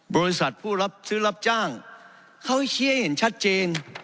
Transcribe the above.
บริษัทผู้รับซื้อรับจ้างเขาชี้ให้เห็นชัดเจน